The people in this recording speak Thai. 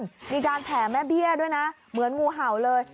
มีการแผ่แม่เบี้ยด้วยนะเหมือนงูเห่าเลย